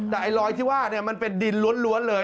แต่ไอ้รอยที่ว่ามันเป็นดินล้วนเลย